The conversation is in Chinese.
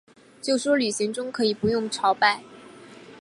就说旅行中可以不用朝拜